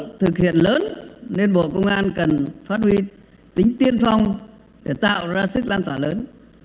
các thực hiện lớn nên bộ công an cần phát huy tính tiên phong để tạo ra sức lan tỏa lớn